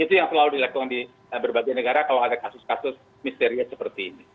jadi yang selalu dilakukan di berbagai negara kalau ada kasus kasus misterius seperti ini